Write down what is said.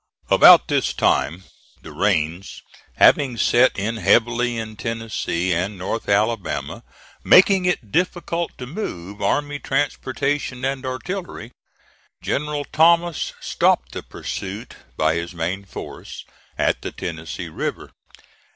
About this time, the rains having set in heavily in Tennessee and North Alabama, making it difficult to move army transportation and artillery, General Thomas stopped the pursuit by his main force at the Tennessee River.